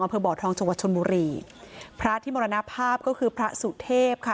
อำเภอบ่อทองจังหวัดชนบุรีพระที่มรณภาพก็คือพระสุเทพค่ะ